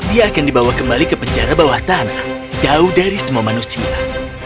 ia akan dibawa kembali ke penjara bawah tanah jauh dari semua manusia